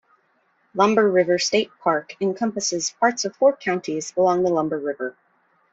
Lumber River State Park encompasses parts of four counties along the Lumber River.